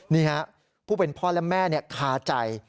นี่ฮะผู้เป็นพ่อและแม่คาใจ